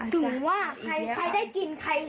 ถึงว่าใครได้กินใคร